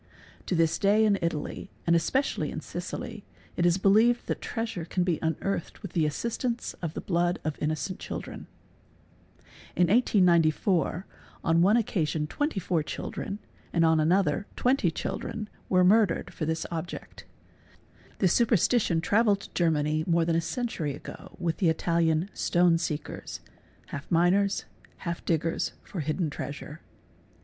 To this day in Italy, and especially in Sicily, itis believed that treasure can be unearthed with the assistance of the blood of innocent children. In 1894, on one occasion 24 children, and on another 20 children, were murdered for this object. This super stition travelled to Germany more than a century ago with the Italian | "'stone seekers'' (half miners, half diggers for hidden treasure).